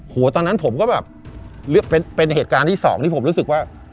ตอนนั้นผมก็แบบเป็นเหตุการณ์ที่สองที่ผมรู้สึกว่า